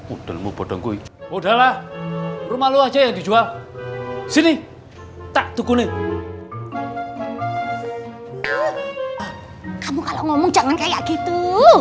udah mau bodongku ini udah lah rumah lu aja yang dijual sini tak tukunin kamu kalau ngomong jangan kayak gitu